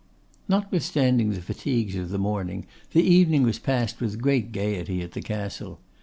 Notwithstanding the fatigues of the morning, the evening was passed with great gaiety at the Castle.